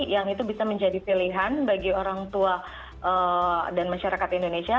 yang itu bisa menjadi pilihan bagi orang tua dan masyarakat indonesia